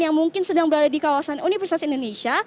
yang mungkin sedang berada di kawasan universitas indonesia